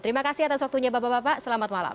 terima kasih atas waktunya bapak bapak selamat malam